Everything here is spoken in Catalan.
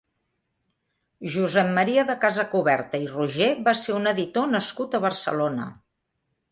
Josep Maria de Casacuberta i Roger va ser un editor nascut a Barcelona.